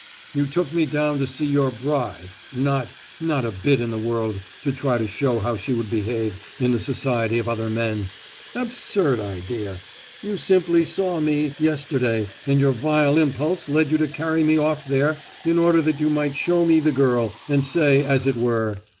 You took me down to see your bride, not—not a bit in the world to try how she would behave in the society of other men—absurd idea!—You simply saw me, yesterday, and your vile impulse led you to carry me off there in order that you might show me the girl, and say, as it were.